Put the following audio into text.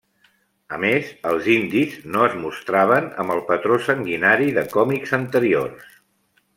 A més, els indis no es mostraven amb el patró sanguinari de còmics anteriors.